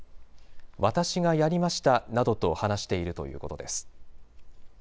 私がやりましたなどと話しているということです。